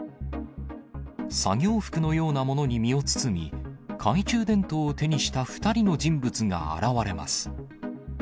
作業服のようなものに身を包み、懐中電灯を手にした２人の人物が現れます。